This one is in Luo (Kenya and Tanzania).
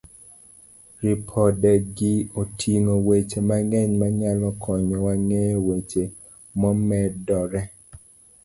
Ripodegi oting'o weche mang'eny manyalo konyowa ng'eyo weche momedore.